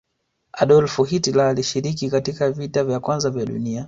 hdolf Hilter alishiriki katika vita ya kwanza ya dunia